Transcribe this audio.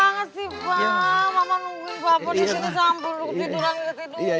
mama nungguin bapak disini sambil tiduran tiduran